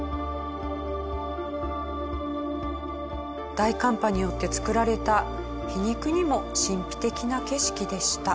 大寒波によって作られた皮肉にも神秘的な景色でした。